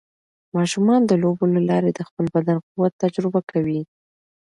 ماشومان د لوبو له لارې د خپل بدن قوت تجربه کوي.